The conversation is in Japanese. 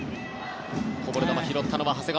こぼれ球、拾ったのは長谷川。